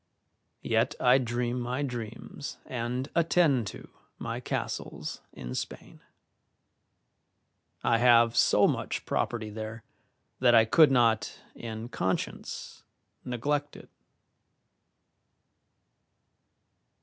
Yet I dream my dreams and attend to my castles in Spain. I have so much property there that I could not in conscience neglect it.